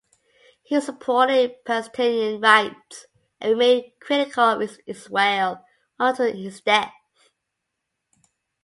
He supported Palestinian rights and remained critical of Israel until his death.